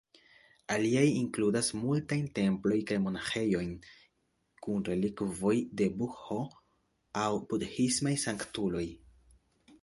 Aliaj inkludas multajn templojn kaj monaĥejojn kun relikvoj de Budho aŭ budhismaj sanktuloj.